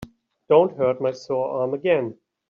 Don't hurt my sore arm again.